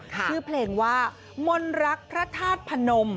ชื่อเพลงว่ามนรักพระธาตุพนม